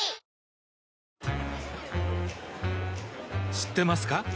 知ってますか？